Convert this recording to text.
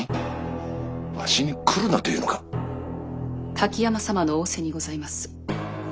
滝山様の仰せにございます。